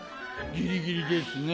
ギリギリですね。